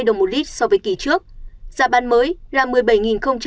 một trăm sáu mươi đồng một lít so với kỳ trước giá bán mới là một mươi bảy chín mươi đồng một kg